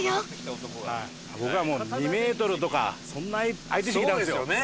僕はもう２メートルとかそんな相手してきたんですよ。